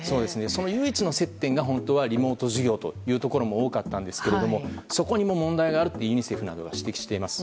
その唯一の接点が本当はリモート授業というところも多かったんですがそこにも問題があるとユニセフなどが指摘しています。